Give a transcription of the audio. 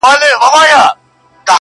خو تر لمر یو حقیقت راته روښان دی٫